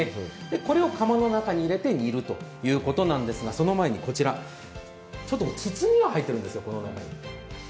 これを釜の中に入れて煮るということですが、その前にこちら、ちょっと筒に入っているんですよ。